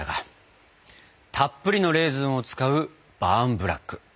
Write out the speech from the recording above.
たっぷりのレーズンを使うバーンブラック。